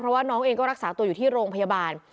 เพราะว่าน้องเองก็รักษาตัวอยู่ที่โรงพยาบาล